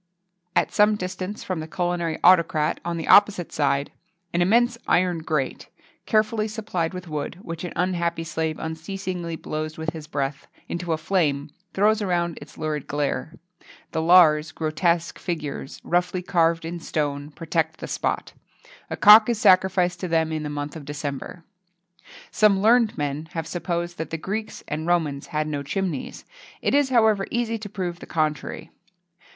At some distance from the culinary autocrat, on the opposite side, an [Illustration: Pl. 12] immense iron grate,[XXII 52] carefully supplied with wood,[XXII 53] which an unhappy slave unceasingly blows with his breath into a flame,[XXII 54] throws around its lurid glare. The Lares, grotesque figures, roughly carved in stone, protect this spot. A cock is sacrificed to them in the month of December.[XXII 55] Some learned men have supposed that the Greeks and Romans had no chimneys; it is, however, easy to prove the contrary.